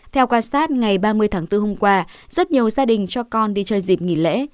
theo quan sát ngày ba mươi tháng bốn hôm qua rất nhiều gia đình cho con đi chơi dịp nghỉ lễ